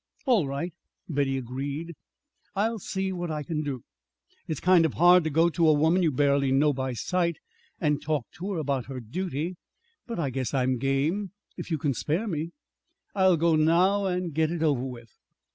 "All right," Betty agreed, "I'll see what I can do. It's kind of hard to go to a woman you barely know by sight, and talk to her about her duty, but I guess I'm game. If you can spare me, I'll go now and get it over with."